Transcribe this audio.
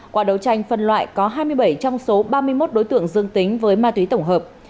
qua đấu tranh phân loại có hai mươi bảy trong số ba mươi một đối tượng dương tính với ma túy tổng hợp